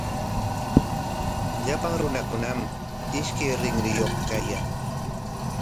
Llapan runakunami ishkay rinriyuq kayan.